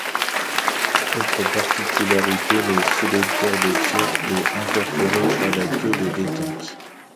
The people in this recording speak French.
Autre particularité, le sélecteur de tir est incorporé à la queue de détente.